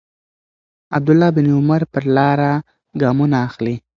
عبدالله بن عمر پر لاره ګامونه اخلي.